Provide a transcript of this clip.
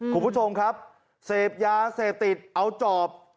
คุณผู้ชมครับเสพยาเสพติดเอาจอบ